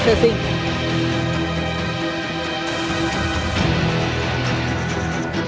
nhiều đối tượng phạm tội